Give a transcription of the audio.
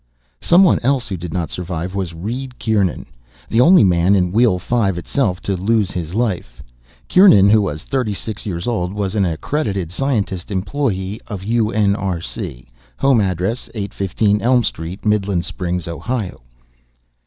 Someone else who did not survive was Reed Kieran, the only man in Wheel Five itself to lose his life. Kieran, who was thirty six years old, was an accredited scientist employee of UNRC. Home address: 815 Elm Street, Midland Springs, Ohio.